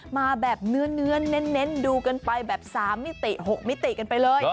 มาแบบเนื้อเน้นดูกันไปแบบ๓มิติ๖มิติกันไปเลย